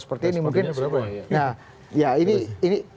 seperti ini mungkin nah sepertinya berapa ya nah